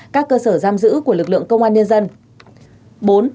các cơ sở giam giữ của lực lượng công an nhân dân